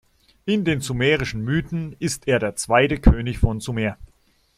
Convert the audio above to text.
In den sumerischen Mythen ist er der zweite König von Sumer.